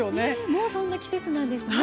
もうそんな季節なんですね。